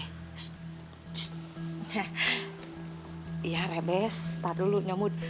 sst sst ya ya rebes taruh dulu nyamut